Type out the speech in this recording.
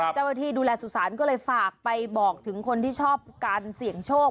เจ้าหน้าที่ดูแลสุสานก็เลยฝากไปบอกถึงคนที่ชอบการเสี่ยงโชค